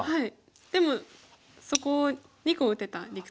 でもそこを２個打てた理屈。